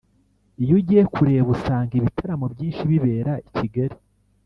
Iyo ugiye kureba usanga ibitaramo byinshi bibera i Kigali